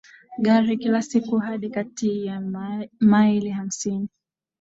gari kila siku hadi kati ya maili hamsini